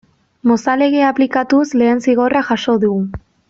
Mozal Legea aplikatuz lehen zigorra jaso dugu.